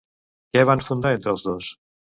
Què van fundar entre els dos?